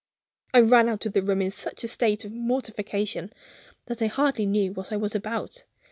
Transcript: I ran out of the room in such a state of mortification that I hardly knew what I was about.